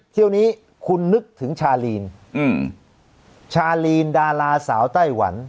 เที่ยวนี้คุณนึกถึงชาลีนชาลีนดาราสาวไต้หวัน